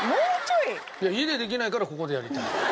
いや家でできないからここでやりたい。